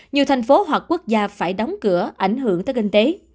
nhiều thành phố hoặc quốc gia phải đóng cửa ảnh hưởng tới kinh tế